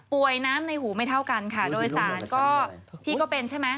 น้ำในหูไม่เท่ากันค่ะโดยสารก็พี่ก็เป็นใช่ไหม